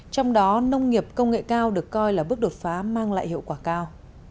trong đó nông nghiệp công nghệ cao được coi là bước đột phá mang lại hiệu quả cao